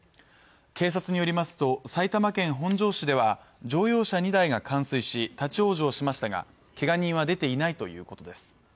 警察によりますと埼玉県本庄市では乗用車２台が冠水し立ち往生しましたがけが人は出ていないということです